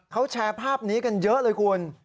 เขาแชร์ภาพนี้กันเยอะเลยคุณ